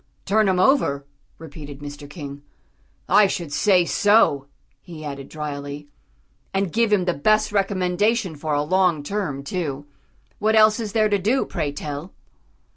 "_ "Turn him over?" repeated Mr. King. "I should say so," he added drily, "and give him the best recommendation for a long term, too. What else is there to do, pray tell?"